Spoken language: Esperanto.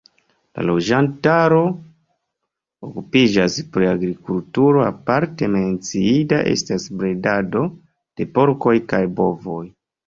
La loĝantaro okupiĝas pri agrikulturo, aparte menciinda estas bredado de porkoj kaj bovoj.